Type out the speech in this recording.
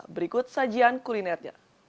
berikut sajian kulinernya